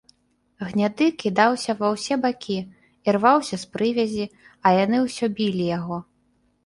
Гняды кідаўся ва ўсе бакі, ірваўся з прывязі, а яны ўсё білі яго.